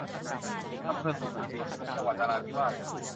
อำเภอสุคิริน จังหวัดนราธิวาส